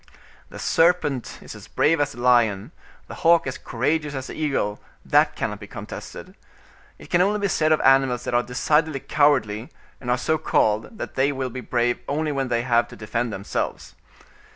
The serpent is as brave as the lion, the hawk as courageous as the eagle, that cannot be contested. It can only be said of animals that are decidedly cowardly, and are so called, that they will be brave only when they have to defend themselves.